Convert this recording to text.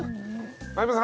相葉さん